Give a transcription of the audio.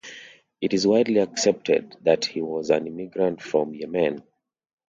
It is widely accepted that he was an immigrant from Yemen.